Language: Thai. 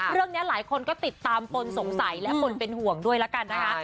เรื่องนี้หลายคนก็ติดตามปนสงสัยและปนเป็นห่วงด้วยละกันนะคะ